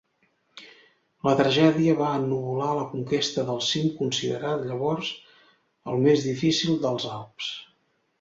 La tragèdia va ennuvolar la conquesta del cim considerat llavors el més difícil dels Alps.